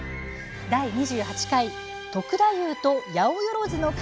第２８回「篤太夫と八百万の神」